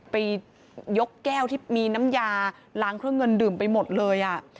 ไปยกแก้วที่มีน้ำยาล้างเครื่องเงินดื่มไปหมดเลย